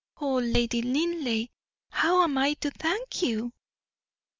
Oh, Lady Linleigh, how am I to thank you?"